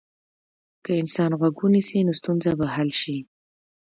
که انسان غوږ ونیسي، نو ستونزه به حل شي.